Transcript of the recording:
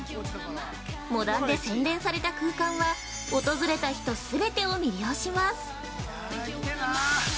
モダンで洗練された空間は、訪れた人全てを魅了します。